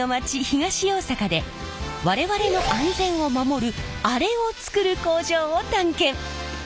東大阪で我々の安全を守るアレを作る工場を探検！